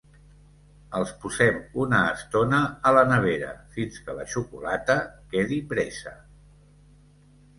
Els posem una estona a la nevera fins que la xocolata quedi presa.